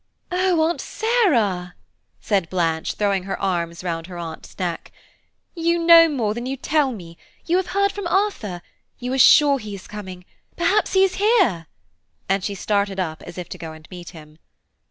'Oh, Aunt Sarah!" said Blanche, throwing her arms round her Aunt's neck, "you know more than you tell me; you have heard from Arthur, you are sure he is coming; perhaps he is here," and she started up as if to go and meet him.